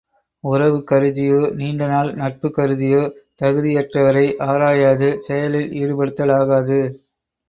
உறவு கருதியோ நீண்ட நாள் நட்பு கருதியோ, தகுதி யற்றவரை ஆராயாது செயலில் ஈடுபடுத்தலாகாது.